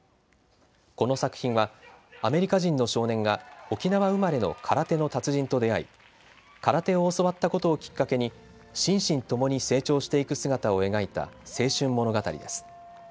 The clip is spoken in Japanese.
この作品はアメリカ人の少年が沖縄生まれの空手の達人と出会い空手を教わったことをきっかけに心身ともに成長していく姿を描いた青春物語です。